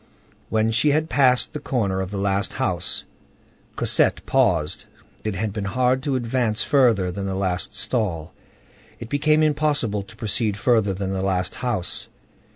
When she had passed the corner of the last house, Cosette paused. It had been hard to advance further than the last stall; it became impossible to proceed further than the last house.